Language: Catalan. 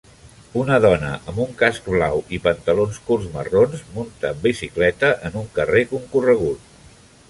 Una dona amb un casc blau i pantalons curts marrons munta en bicicleta en un carrer concorregut.